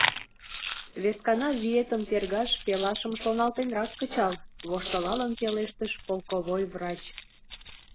— Вескана виетым тергаш пелашым шоналтенрак кычал, — воштылалын пелештыш полковой врач.